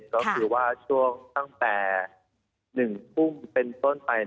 ก็คือว่าช่วงตั้งแต่๑ทุ่มเป็นต้นไป